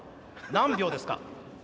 何秒ですか？